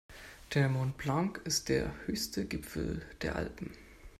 Der Mont Blanc ist der höchste Gipfel der Alpen.